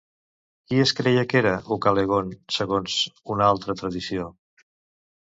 Qui es creia que era Ucalegont segons una altra tradició?